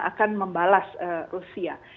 akan membalas rusia